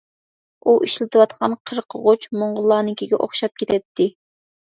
ئۇ ئىشلىتىۋاتقان قىرقىغۇچ موڭغۇللارنىڭكىگە ئوخشاپ كېتەتتى.